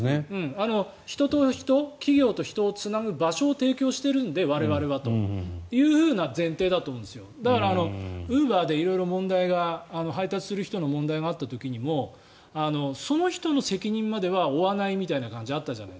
人と人、企業と人をつなぐ場所を提供しているので我々はという前提だと思うんですよだからウーバーで色々問題が配達する人の問題があった時もその人の責任までは負わないみたいな感じがありましたね。